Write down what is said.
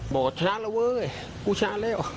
บอกช้าแล้วเว้ยกูช้าแล้ว